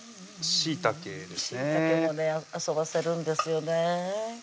しいたけもね遊ばせるんですよね